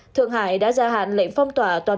thượng hải đã gia hạn lệnh phong tòa toàn bộ